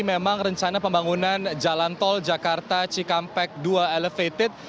memang rencana pembangunan jalan tol jakarta cikampek dua elevated